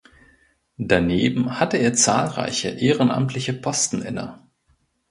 Daneben hatte er zahlreiche ehrenamtliche Posten inne.